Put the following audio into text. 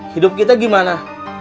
hidup kita gimana